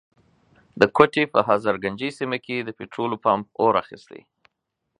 د کوټي په هزارګنجۍ سيمه کي د پټرولو پمپ اور اخستی.